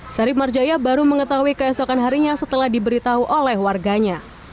sarip marjaya baru mengetahui keesokan harinya setelah diberitahu oleh warganya